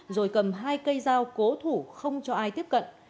rồi cầm hai cây dao cố thủ không cho ai tiếp cận